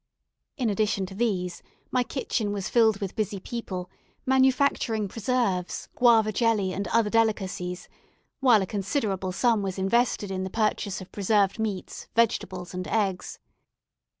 In addition to these, my kitchen was filled with busy people, manufacturing preserves, guava jelly, and other delicacies, while a considerable sum was invested in the purchase of preserved meats, vegetables, and eggs.